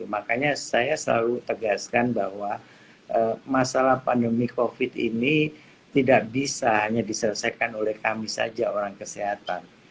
makanya saya selalu tegaskan bahwa masalah pandemi covid ini tidak bisa hanya diselesaikan oleh kami saja orang kesehatan